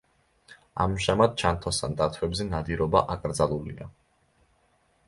ამჟამად ჩანთოსან დათვებზე ნადირობა აკრძალულია.